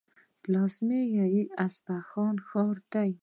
پلازمینه یې د اصفهان ښار و.